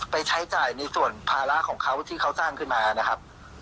ใช้จ่ายในส่วนภาระของเขาที่เขาสร้างขึ้นมานะครับ